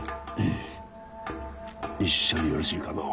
一緒によろしいかのう？